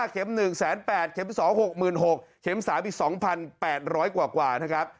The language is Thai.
๒๕๐๐๐๐เข็ม๑๑๐๘๐๐๐เข็ม๒๖๖๐๐๐เข็ม๓๒๘๐๐กว่านะครับ